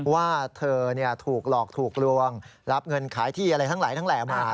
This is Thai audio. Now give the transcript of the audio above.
ว่าเธอถูกหลอกถูกลวงรับเงินขายที่อะไรทั้งหลายทั้งแหล่มา